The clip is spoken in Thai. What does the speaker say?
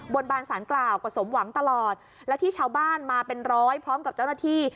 บนบานสารกล่าวก็สมหวังตลอดและที่ชาวบ้านมาเป็นร้อยพร้อมกับเจ้าหน้าที่